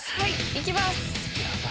いきます。